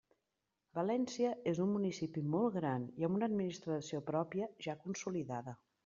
València és un municipi molt gran i amb una administració pròpia ja consolidada.